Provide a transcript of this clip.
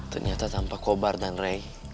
ternyata tanpa cobra dan rey